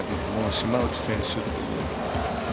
島内選手っていう。